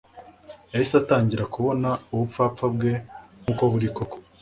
yahise atangira kubona ubupfapfa bwe nk'uko buri koko